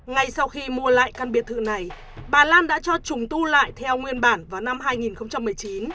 ngay sau khi mua lại căn biệt thự này bà lan đã cho trùng tu lại theo nguyên bản vào năm hai nghìn một mươi chín